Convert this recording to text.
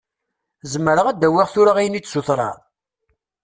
Zemreɣ ad awiɣ tura ayen i d-tessutreḍ?